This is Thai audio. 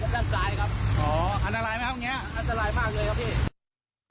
ด้านปลายครับอ๋ออันตรายไหมห้องเนี้ยอันตรายมากเลยครับพี่